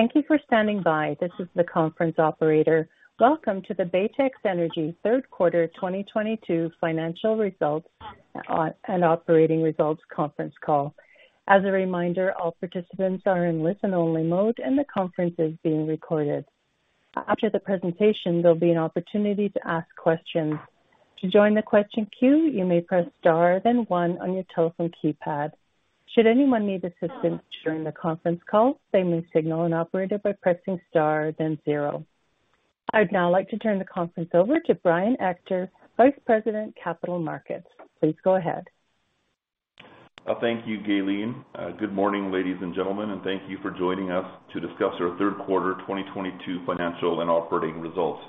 Thank you for standing by. This is the conference operator. Welcome to the Baytex Energy third quarter 2022 financial results and operating results conference call. As a reminder, all participants are in listen-only mode, and the conference is being recorded. After the presentation, there'll be an opportunity to ask questions. To join the question queue, you may press Star, then one on your telephone keypad. Should anyone need assistance during the conference call, they may signal an operator by pressing Star, then zero. I'd now like to turn the conference over to Brian Ector, Vice President, Capital Markets. Please go ahead. Thank you, Gaylene. Good morning, ladies and gentlemen, and thank you for joining us to discuss our third quarter 2022 financial and operating results.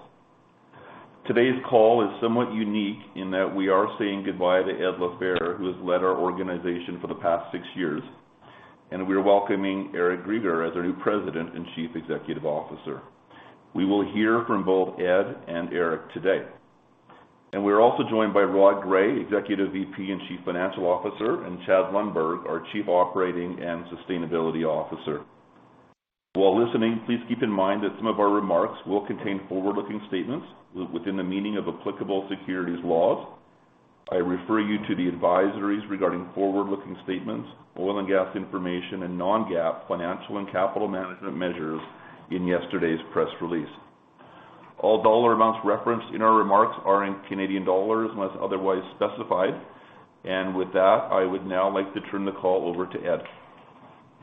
Today's call is somewhat unique in that we are saying goodbye to Ed LaFehr, who has led our organization for the past six years, and we're welcoming Eric Greager as our new President and Chief Executive Officer. We will hear from both Ed and Eric today. We're also joined by Rodney Gray, Executive VP and Chief Financial Officer, and Chad Lundberg, our Chief Operating and Sustainability Officer. While listening, please keep in mind that some of our remarks will contain forward-looking statements within the meaning of applicable securities laws. I refer you to the advisories regarding forward-looking statements, oil and gas information, and non-GAAP financial and capital management measures in yesterday's press release. All dollar amounts referenced in our remarks are in Canadian dollars unless otherwise specified. With that, I would now like to turn the call over to Ed.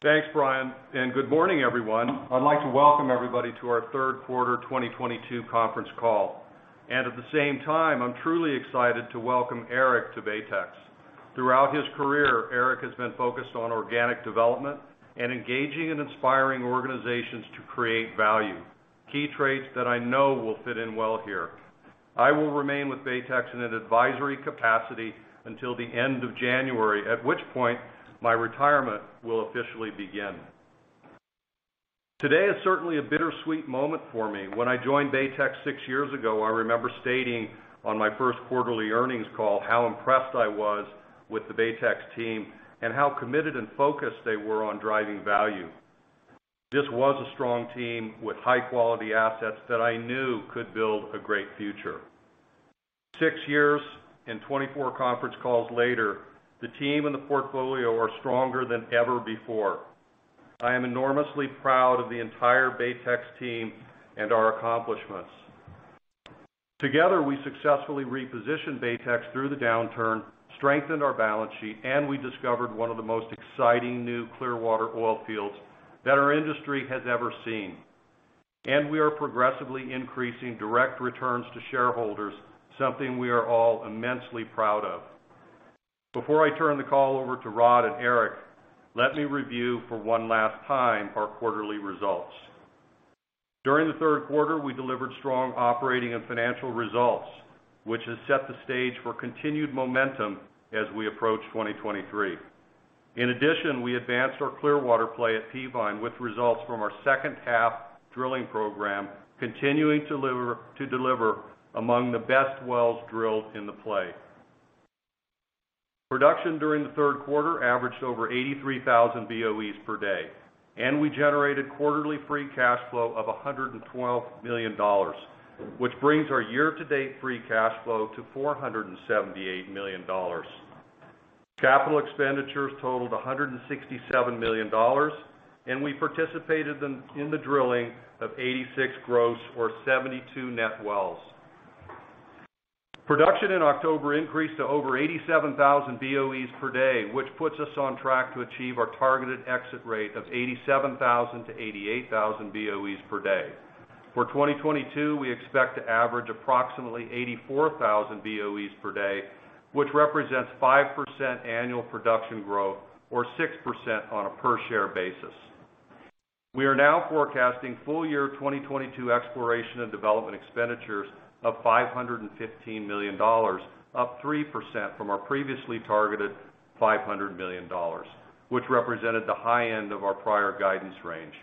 Thanks, Brian, and good morning, everyone. I'd like to welcome everybody to our third quarter 2022 conference call. At the same time, I'm truly excited to welcome Eric to Baytex. Throughout his career, Eric has been focused on organic development and engaging and inspiring organizations to create value. Key traits that I know will fit in well here. I will remain with Baytex in an advisory capacity until the end of January, at which point my retirement will officially begin. Today is certainly a bittersweet moment for me. When I joined Baytex six years ago, I remember stating on my first quarterly earnings call how impressed I was with the Baytex team and how committed and focused they were on driving value. This was a strong team with high-quality assets that I knew could build a great future. Six years and 24 conference calls later, the team and the portfolio are stronger than ever before. I am enormously proud of the entire Baytex team and our accomplishments. Together, we successfully repositioned Baytex through the downturn, strengthened our balance sheet, and we discovered one of the most exciting new Clearwater oil fields that our industry has ever seen. We are progressively increasing direct returns to shareholders, something we are all immensely proud of. Before I turn the call over to Rod and Eric, let me review for one last time our quarterly results. During the third quarter, we delivered strong operating and financial results, which has set the stage for continued momentum as we approach 2023. In addition, we advanced our Clearwater play at Peavine with results from our second half drilling program, continuing to deliver among the best wells drilled in the play. Production during the third quarter averaged over 83,000 BOEs per day, and we generated quarterly free cash flow of 112 million dollars, which brings our year-to-date free cash flow to 478 million dollars. Capital expenditures totaled 167 million dollars, and we participated in the drilling of 86 gross or 72 net wells. Production in October increased to over 87,000 BOEs per day, which puts us on track to achieve our targeted exit rate of 87,000-88,000 BOEs per day. For 2022, we expect to average approximately 84,000 BOEs per day, which represents 5% annual production growth or 6% on a per-share basis. We are now forecasting full year 2022 exploration and development expenditures of 515 million dollars, up 3% from our previously targeted 500 million dollars, which represented the high end of our prior guidance range.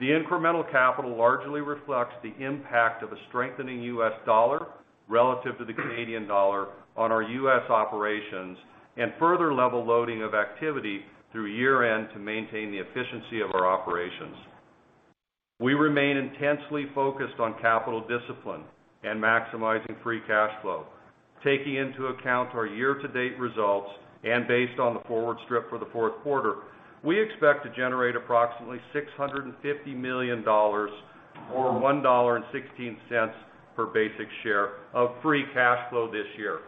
The incremental capital largely reflects the impact of a strengthening US dollar relative to the Canadian dollar on our U.S. operations and further level loading of activity through year-end to maintain the efficiency of our operations. We remain intensely focused on capital discipline and maximizing free cash flow. Taking into account our year-to-date results and based on the forward strip for the fourth quarter, we expect to generate approximately 650 million dollars or 1.16 dollar per basic share of free cash flow this year.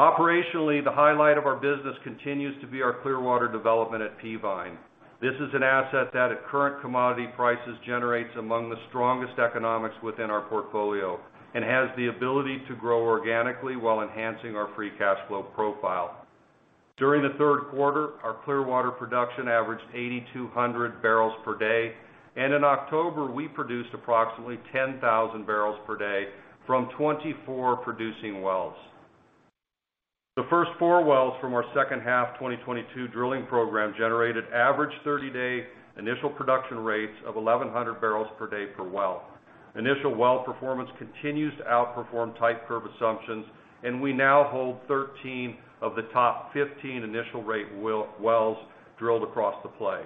Operationally, the highlight of our business continues to be our Clearwater development at Peavine. This is an asset that, at current commodity prices, generates among the strongest economics within our portfolio and has the ability to grow organically while enhancing our free cash flow profile. During the third quarter, our Clearwater production averaged 8,200 barrels per day, and in October, we produced approximately 10,000 barrels per day from 24 producing wells. The first four wells from our second half 2022 drilling program generated average 30-day initial production rates of 1,100 barrels per day per well. Initial well performance continues to outperform type curve assumptions, and we now hold 13 of the top 15 initial rate wells drilled across the play.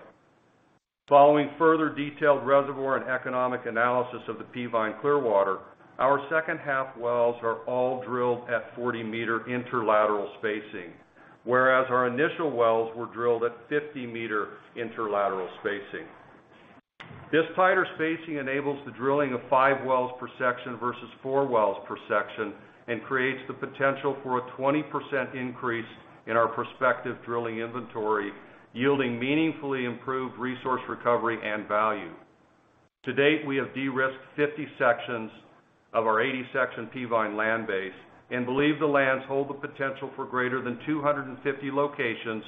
Following further detailed reservoir and economic analysis of the Peavine Clearwater, our second half wells are all drilled at 40-meter interlateral spacing, whereas our initial wells were drilled at 50-meter interlateral spacing. This tighter spacing enables the drilling of five wells per section versus four wells per section and creates the potential for a 20% increase in our prospective drilling inventory, yielding meaningfully improved resource recovery and value. To date, we have de-risked 50 sections of our 80-section Peavine land base and believe the lands hold the potential for greater than 250 locations,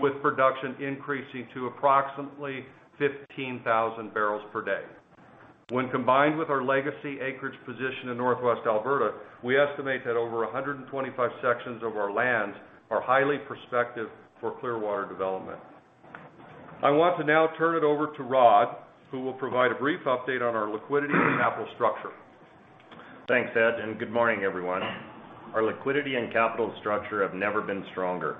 with production increasing to approximately 15,000 barrels per day. When combined with our legacy acreage position in Northwest Alberta, we estimate that over 125 sections of our lands are highly prospective for Clearwater development. I want to now turn it over to Rod, who will provide a brief update on our liquidity and capital structure. Thanks, Ed, and good morning, everyone. Our liquidity and capital structure have never been stronger.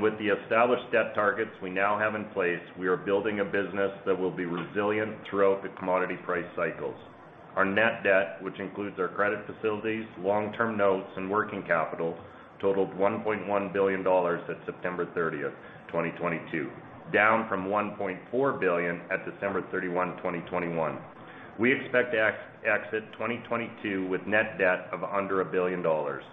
With the established debt targets we now have in place, we are building a business that will be resilient throughout the commodity price cycles. Our net debt, which includes our credit facilities, long-term notes, and working capital, totalled 1.1 billion dollars at September 30th, 2022, down from 1.4 billion at December 31, 2021. We expect to exit 2022 with net debt of under 1 billion dollars.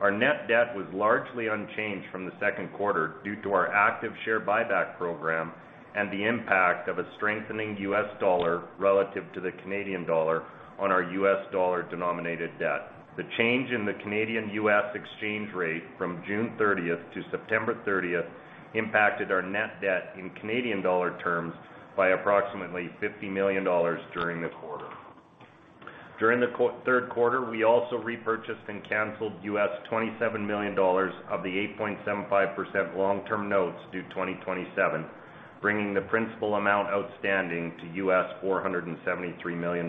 Our net debt was largely unchanged from the second quarter due to our active share buyback program and the impact of a strengthening U.S. dollar relative to the Canadian dollar on our U.S. dollar-denominated debt. The change in the Canadian-U.S. exchange rate from June 30th to September 30th impacted our net debt in Canadian dollar terms by approximately 50 million dollars during the quarter. During the third quarter, we also repurchased and cancelled $27 million of the 8.75% long-term notes due 2027, bringing the principal amount outstanding to $473 million.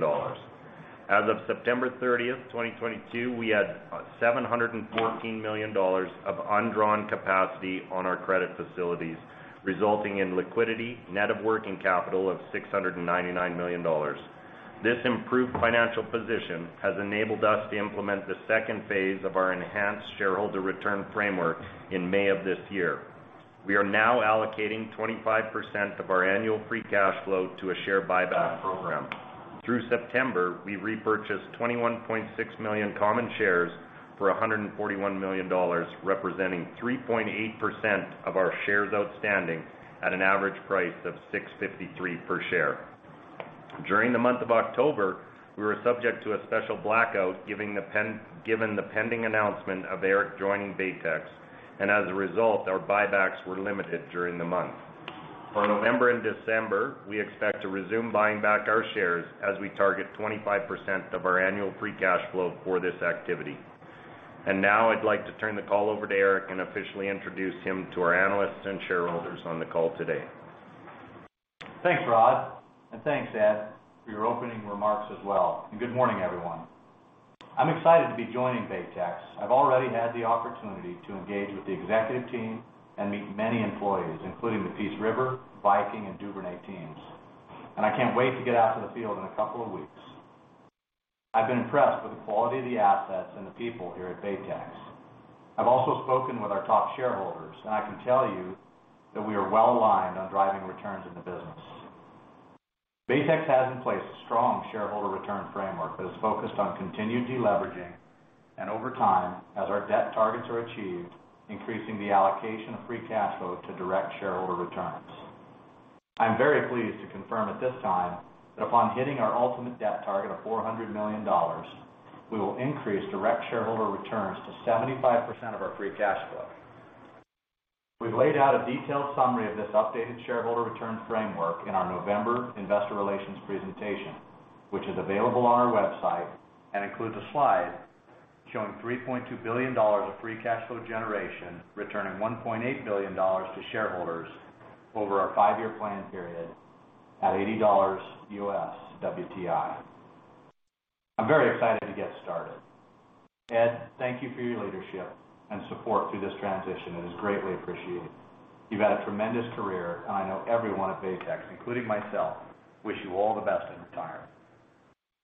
As of September 30th, 2022, we had 714 million dollars of undrawn capacity on our credit facilities, resulting in liquidity net of working capital of 699 million dollars. This improved financial position has enabled us to implement the second phase of our enhanced shareholder return framework in May of this year. We are now allocating 25% of our annual free cash flow to a share buyback program. Through September, we repurchased 21.6 million common shares for 141 million dollars, representing 3.8% of our shares outstanding at an average price of 6.53 per share. During the month of October, we were subject to a special blackout given the pending announcement of Eric joining Baytex, and as a result, our buybacks were limited during the month. For November and December, we expect to resume buying back our shares as we target 25% of our annual free cash flow for this activity. Now I'd like to turn the call over to Eric and officially introduce him to our analysts and shareholders on the call today. Thanks, Rod. Thanks, Ed, for your opening remarks as well. Good morning, everyone. I'm excited to be joining Baytex. I've already had the opportunity to engage with the executive team and meet many employees, including the Peace River, Viking, and Duvernay teams. I can't wait to get out to the field in a couple of weeks. I've been impressed with the quality of the assets and the people here at Baytex. I've also spoken with our top shareholders, and I can tell you that we are well aligned on driving returns in the business. Baytex has in place a strong shareholder return framework that is focused on continued deleveraging, and over time, as our debt targets are achieved, increasing the allocation of free cash flow to direct shareholder returns. I'm very pleased to confirm at this time that upon hitting our ultimate debt target of CAD $400 million, we will increase direct shareholder returns to 75% of our free cash flow. We've laid out a detailed summary of this updated shareholder return framework in our November investor relations presentation, which is available on our website and includes a slide showing CAD $3.2 billion of free cash flow generation, returning CAD $1.8 billion to shareholders over our five-year plan period at $80 US WTI. I'm very excited to get started. Ed, thank you for your leadership and support through this transition. It is greatly appreciated. You've had a tremendous career, and I know everyone at Baytex, including myself, wish you all the best in retirement.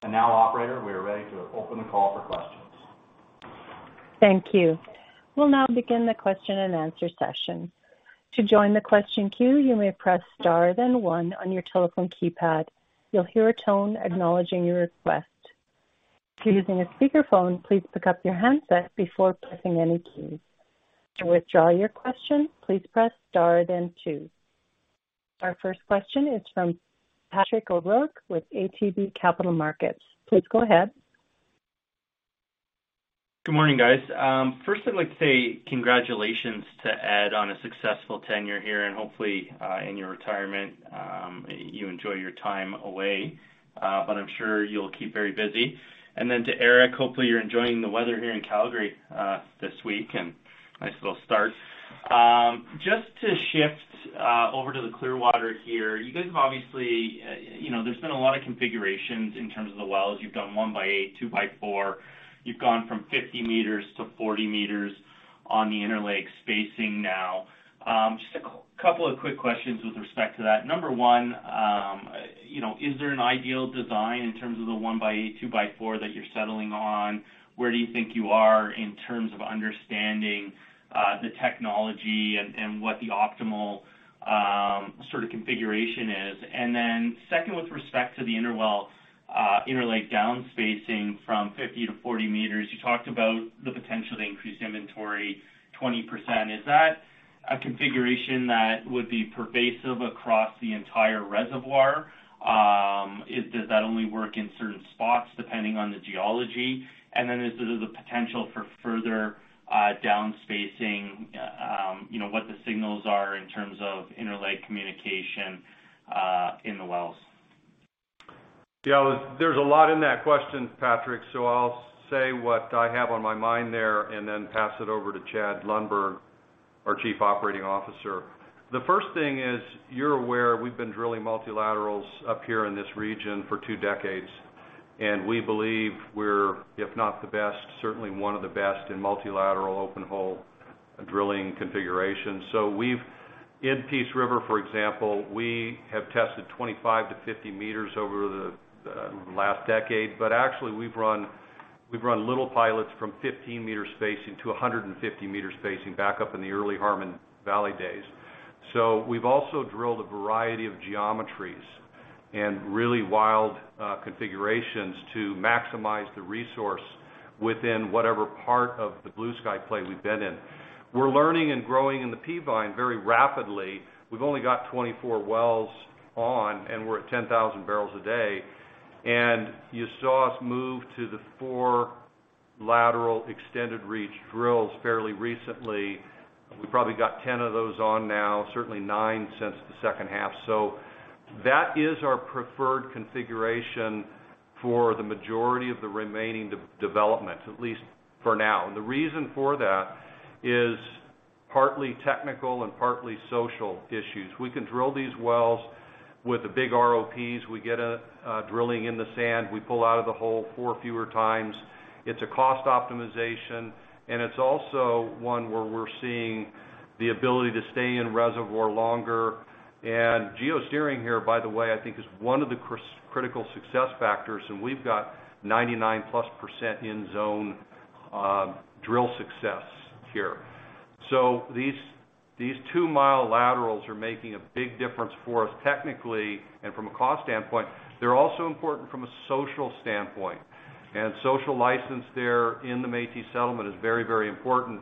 Now, operator, we are ready to open the call for questions. Thank you. We'll now begin the question-and-answer session. To join the question queue, you may press star then one on your telephone keypad. You'll hear a tone acknowledging your request. If you're using a speakerphone, please pick up your handset before pressing any keys. To withdraw your question, please press star then two. Our first question is from Patrick O'Rourke with ATB Capital Markets. Please go ahead. Good morning, guys. First I'd like to say congratulations to Ed on a successful tenure here, and hopefully, in your retirement, you enjoy your time away, but I'm sure you'll keep very busy. To Eric, hopefully, you're enjoying the weather here in Calgary, this week, and nice little start. Just to shift over to the Clearwater here, you guys have obviously, you know, there's been a lot of configurations in terms of the wells. You've done one by eight, two by four. You've gone from 50 meters to 40 meters on the interlateral spacing now. Just a couple of quick questions with respect to that. Number one, you know, is there an ideal design in terms of the one by eight, two by four that you're settling on? Where do you think you are in terms of understanding the technology and what the optimal sort of configuration is? Second, with respect to the inter-well inter-lateral downspacing from 50 to 40 meters, you talked about the potential to increase inventory 20%. Is that a configuration that would be pervasive across the entire reservoir? Does that only work in certain spots depending on the geology? Is there the potential for further downspacing, you know, what the signals are in terms of inter-lateral communication in the wells? Yeah, there's a lot in that question, Patrick, so I'll say what I have on my mind there and then pass it over to Chad Lundberg, our Chief Operating Officer. The first thing is, you're aware we've been drilling multilaterals up here in this region for two decades, and we believe we're, if not the best, certainly one of the best in multilateral open hole drilling configurations. We've in Peace River, for example, tested 25-50 meters over the last decade. Actually we've run little pilots from 15-meter spacing to 150-meter spacing back up in the early Harmon Valley days. We've also drilled a variety of geometries and really wild configurations to maximize the resource within whatever part of the Bluesky play we've been in. We're learning and growing in the Peavine very rapidly. We've only got 24 wells on, and we're at 10,000 barrels a day. You saw us move to the 4-lateral extended reach drills fairly recently. We probably got 10 of those on now, certainly 9 since the second half. That is our preferred configuration for the majority of the remaining development, at least for now. The reason for that is partly technical and partly social issues. We can drill these wells with the big ROPs. We get drilling in the sand, we pull out of the hole four fewer times. It's a cost optimization, and it's also one where we're seeing the ability to stay in reservoir longer. Geosteering here, by the way, I think is one of the critical success factors, and we've got 99%+ in zone drill success here. These two mile laterals are making a big difference for us technically and from a cost standpoint. They're also important from a social standpoint. Social license there in the Métis settlement is very, very important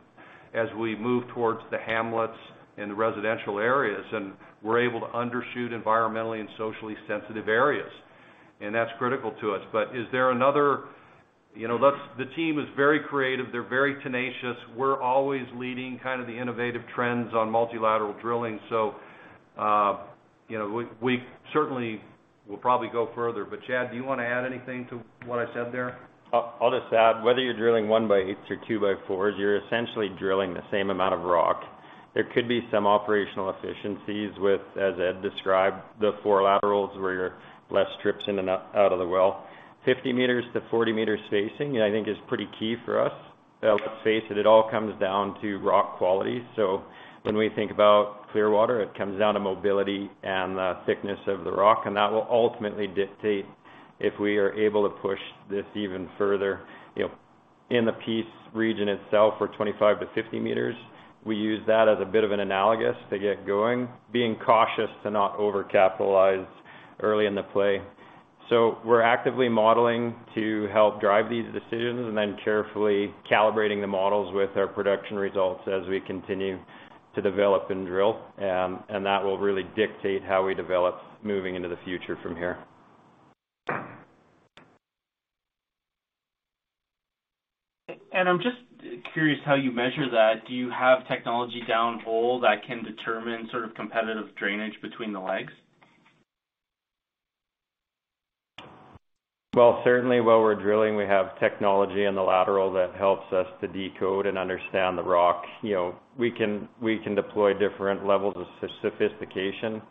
as we move towards the hamlets and the residential areas, and we're able to undershoot environmentally and socially sensitive areas. That's critical to us. You know, the team is very creative. They're very tenacious. We're always leading kind of the innovative trends on multilateral drilling. You know, we certainly will probably go further. Chad, do you wanna add anything to what I said there? I'll just add, whether you're drilling one by eights or two by fours, you're essentially drilling the same amount of rock. There could be some operational efficiencies with, as Ed described, the four laterals where you're less trips in and out of the well. 50 meters to 40 meters spacing, I think is pretty key for us. Let's face it all comes down to rock quality. When we think about Clearwater, it comes down to mobility and the thickness of the rock, and that will ultimately dictate if we are able to push this even further. You know, in the Peace region itself, for 25-50 meters, we use that as a bit of an analogous to get going, being cautious to not overcapitalize early in the play. We're actively modeling to help drive these decisions and then carefully calibrating the models with our production results as we continue to develop and drill. That will really dictate how we develop moving into the future from here. I'm just curious how you measure that. Do you have technology downhole that can determine sort of competitive drainage between the legs? Well, certainly while we're drilling, we have technology in the lateral that helps us to decode and understand the rock. You know, we can deploy different levels of sophistication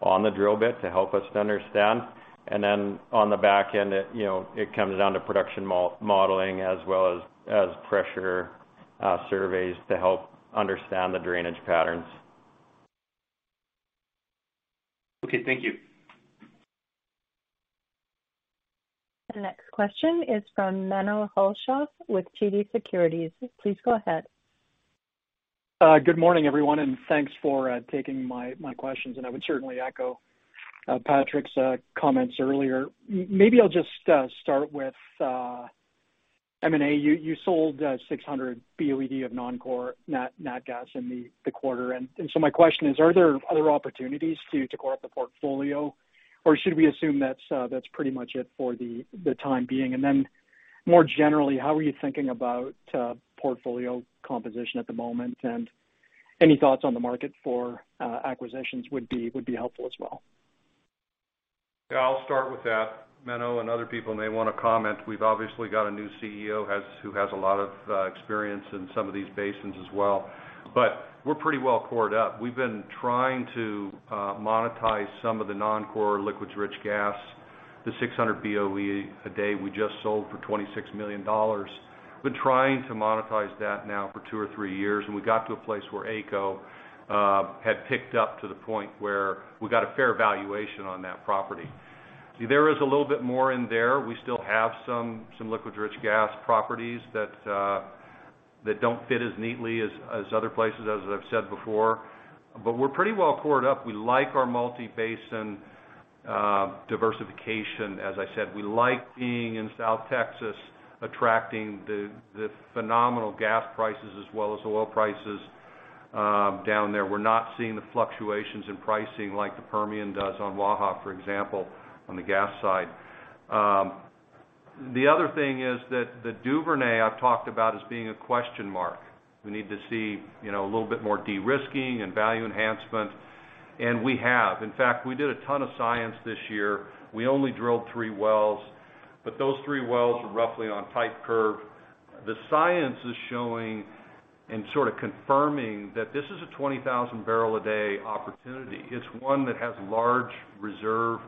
on the drill bit to help us to understand. Then on the back end, you know, it comes down to production modeling as well as pressure surveys to help understand the drainage patterns. Okay, thank you. The next question is from Menno Hulshof with TD Securities. Please go ahead. Good morning, everyone, and thanks for taking my questions. I would certainly echo Patrick's comments earlier. Maybe I'll just start with M&A. You sold 600 BOED of non-core natural gas in the quarter. My question is, are there other opportunities to core up the portfolio? Or should we assume that's pretty much it for the time being? More generally, how are you thinking about portfolio composition at the moment? Any thoughts on the market for acquisitions would be helpful as well. Yeah, I'll start with that. Menno and other people may wanna comment. We've obviously got a new CEO who has a lot of experience in some of these basins as well. We're pretty well cored up. We've been trying to monetize some of the non-core liquids rich gas, the 600 BOE a day we just sold for 26 million dollars. We're trying to monetize that now for two or three years, and we got to a place where AECO had picked up to the point where we got a fair valuation on that property. There is a little bit more in there. We still have some liquid rich gas properties that don't fit as neatly as other places, as I've said before, but we're pretty well cored up. We like our multi-basin diversification, as I said. We like being in South Texas, attracting the phenomenal gas prices as well as oil prices down there. We're not seeing the fluctuations in pricing like the Permian does on Waha, for example, on the gas side. The other thing is that the Duvernay I've talked about as being a question mark. We need to see, you know, a little bit more de-risking and value enhancement, and we have. In fact, we did a ton of science this year. We only drilled three wells, but those three wells were roughly on type curve. The science is showing and sort of confirming that this is a 20,000 barrel a day opportunity. It's one that has large reserve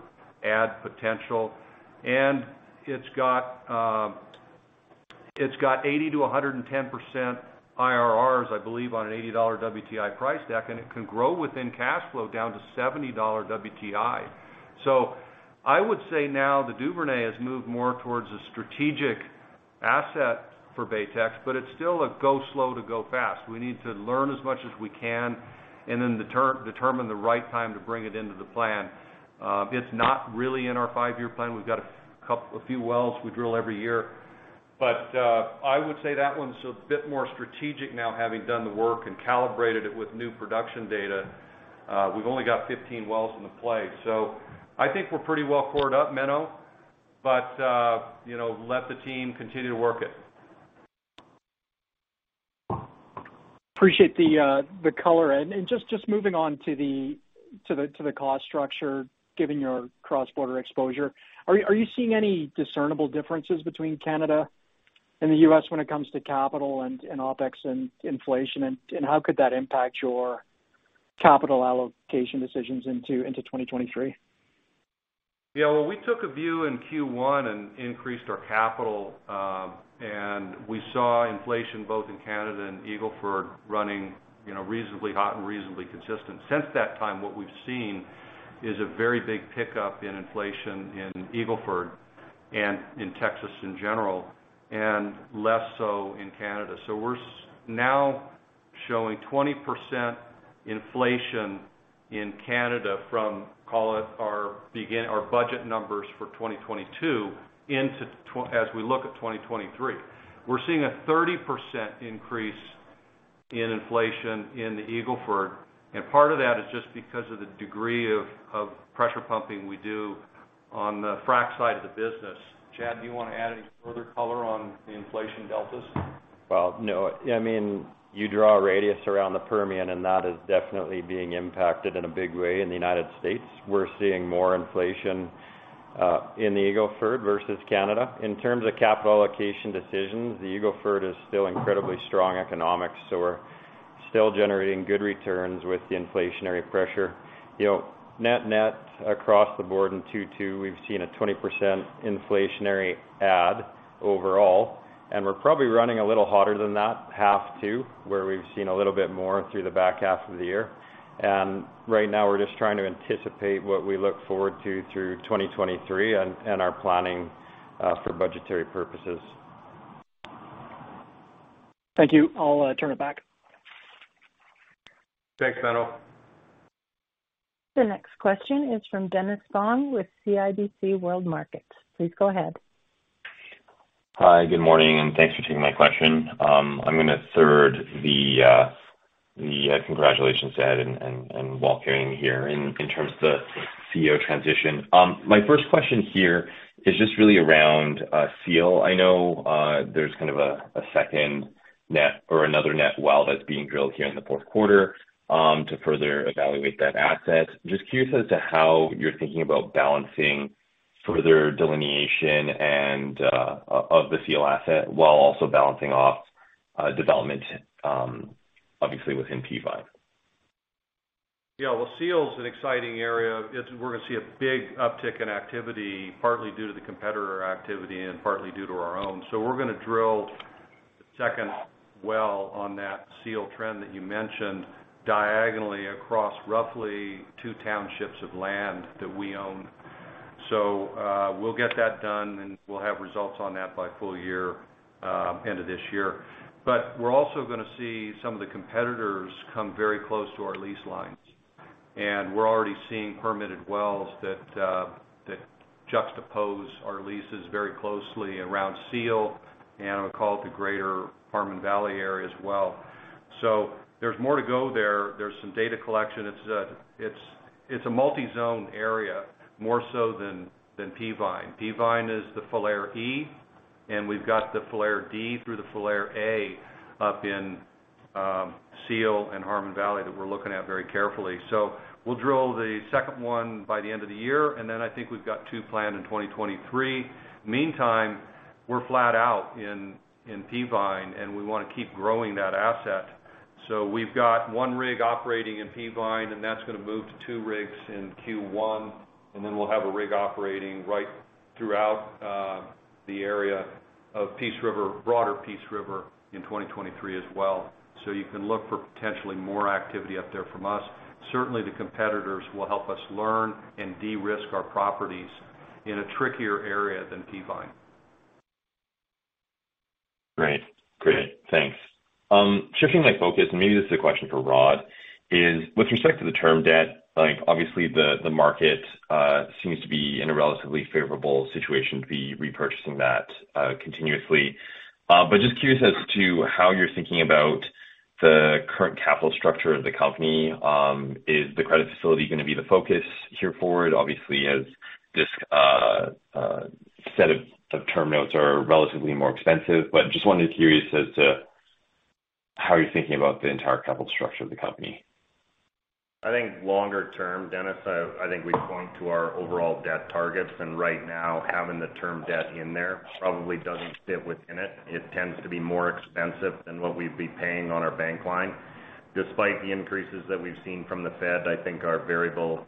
add potential, and it's got 80%-110% IRRs, I believe, on an $80 WTI price deck, and it can grow within cash flow down to $70 WTI. I would say now the Duvernay has moved more towards a strategic asset for Baytex, but it's still a go slow to go fast. We need to learn as much as we can and then determine the right time to bring it into the plan. It's not really in our five-year plan. We've got a few wells we drill every year. I would say that one's a bit more strategic now, having done the work and calibrated it with new production data. We've only got 15 wells in the play. I think we're pretty well cored up, Menno, but you know, let the team continue to work it. Appreciate the color. Just moving on to the cost structure, given your cross-border exposure. Are you seeing any discernible differences between Canada and the U.S. when it comes to capital and OpEx and inflation? How could that impact your capital allocation decisions into 2023? Yeah. Well, we took a view in Q1 and increased our capital, and we saw inflation both in Canada and Eagle Ford running, you know, reasonably hot and reasonably consistent. Since that time, what we've seen is a very big pickup in inflation in Eagle Ford and in Texas in general, and less so in Canada. We're now showing 20% inflation in Canada from, call it, our budget numbers for 2022 into as we look at 2023. We're seeing a 30% increase in inflation in the Eagle Ford, and part of that is just because of the degree of pressure pumping we do on the frack side of the business. Chad, do you wanna add any further color on the inflation deltas? Well, no. I mean, you draw a radius around the Permian, and that is definitely being impacted in a big way in the United States. We're seeing more inflation in the Eagle Ford versus Canada. In terms of capital allocation decisions, the Eagle Ford is still incredibly strong economics, so we're still generating good returns with the inflationary pressure. You know, net-net, across the board in 2022, we've seen a 20% inflationary add overall, and we're probably running a little hotter than that H2, where we've seen a little bit more through the back half of the year. Right now we're just trying to anticipate what we look forward to through 2023 and our planning for budgetary purposes. Thank you. I'll turn it back. Thanks, Menno Hulshof. The next question is from Dennis Fong with CIBC World Markets. Please go ahead. Hi, good morning, and thanks for taking my question. I'm gonna third the congratulations to Ed LaFehr here in terms of the CEO transition. My first question here is just really around Seal. I know there's kind of a second net or another net well that's being drilled here in the fourth quarter to further evaluate that asset. Just curious as to how you're thinking about balancing further delineation and of the Seal asset while also balancing off development obviously within Peavine. Yeah. Well, Seal's an exciting area. It's we're gonna see a big uptick in activity, partly due to the competitor activity and partly due to our own. We're gonna drill the second well on that Seal trend that you mentioned diagonally across roughly two townships of land that we own. We'll get that done, and we'll have results on that by full year end of this year. We're also gonna see some of the competitors come very close to our lease lines. We're already seeing permitted wells that juxtapose our leases very closely around Seal and what we call the greater Harmon Valley area as well. There's more to go there. There's some data collection. It's a multi-zone area, more so than Peavine. Peavine is the Falher E, and we've got the Falher D through the Falher A up in. Seal and Harmon Valley that we're looking at very carefully. We'll drill the second one by the end of the year, then I think we've got two planned in 2023. Meantime, we're flat out in Peavine, and we wanna keep growing that asset. We've got one rig operating in Peavine, and that's gonna move to two rigs in Q1, and then we'll have a rig operating right throughout the area of Peace River, broader Peace River in 2023 as well. You can look for potentially more activity up there from us. Certainly, the competitors will help us learn and de-risk our properties in a trickier area than Peavine. Great. Thanks. Shifting my focus, and maybe this is a question for Rod with respect to the term debt, like, obviously the market seems to be in a relatively favorable situation to be repurchasing that continuously. Just curious as to how you're thinking about the current capital structure of the company. Is the credit facility gonna be the focus going forward? Obviously, as this set of term notes are relatively more expensive. Just curious as to how you're thinking about the entire capital structure of the company. I think longer term, Dennis, I think we point to our overall debt targets. Right now having the term debt in there probably doesn't fit within it. It tends to be more expensive than what we'd be paying on our bank line. Despite the increases that we've seen from the Fed, I think our variable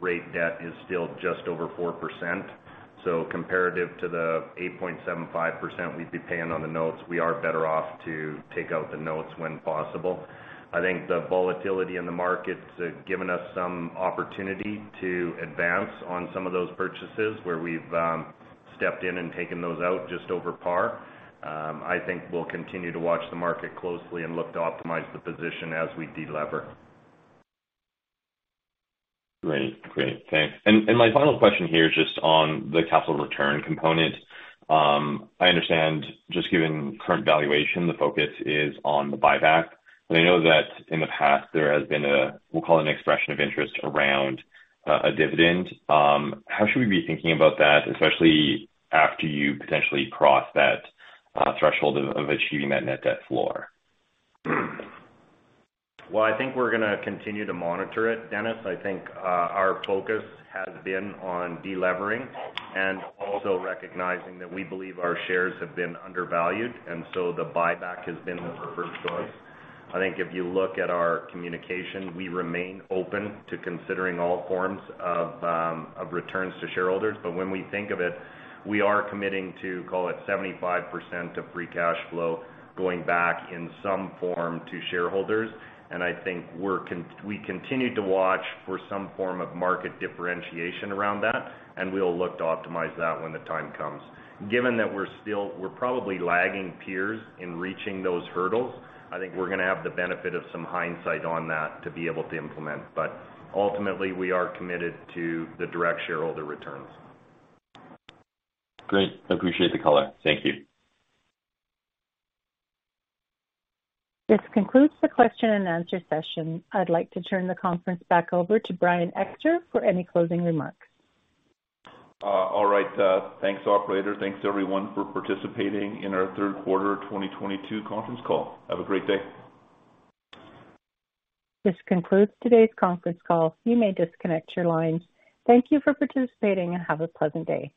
rate debt is still just over 4%. Comparative to the 8.75% we'd be paying on the notes, we are better off to take out the notes when possible. I think the volatility in the market's given us some opportunity to advance on some of those purchases where we've stepped in and taken those out just over par. I think we'll continue to watch the market closely and look to optimize the position as we de-lever. Great. Thanks. My final question here is just on the capital return component. I understand just given current valuation, the focus is on the buyback, but I know that in the past there has been a, we'll call it an expression of interest around a dividend. How should we be thinking about that, especially after you potentially cross that threshold of achieving that net debt floor? Well, I think we're gonna continue to monitor it, Dennis. I think our focus has been on de-levering and also recognizing that we believe our shares have been undervalued, and so the buyback has been the preferred choice. I think if you look at our communication, we remain open to considering all forms of returns to shareholders. But when we think of it, we are committing to call it 75% of free cash flow going back in some form to shareholders. I think we continue to watch for some form of market differentiation around that, and we'll look to optimize that when the time comes. Given that we're probably lagging peers in reaching those hurdles, I think we're gonna have the benefit of some hindsight on that to be able to implement. Ultimately, we are committed to the direct shareholder returns. Great. I appreciate the color. Thank you. This concludes the question and answer session. I'd like to turn the conference back over to Brian Ector for any closing remarks. All right. Thanks, operator. Thanks everyone for participating in our third quarter 2022 conference call. Have a great day. This concludes today's conference call. You may disconnect your lines. Thank you for participating, and have a pleasant day.